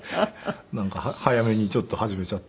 なんか早めにちょっと始めちゃって。